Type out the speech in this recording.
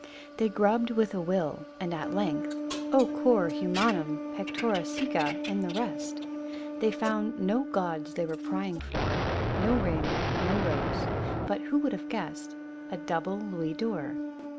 They grubbed with a will : and at length — cor ITumanum, pectora cceca, and the rest !— They found — no gaud they were prying for, No ring, no rose, but — who would have guessed ?— A double Louis d'or!